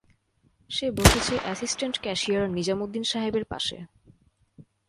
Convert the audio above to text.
সে বসেছে assistant cashier Nizamuddin সাহেবের পাশে।